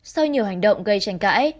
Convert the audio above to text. sau nhiều hành động gây tranh cãi